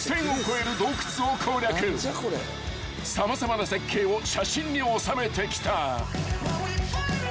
［様々な絶景を写真に収めてきた］